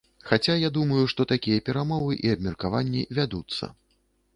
Хаця я думаю, што такія перамовы і абмеркаванні вядуцца.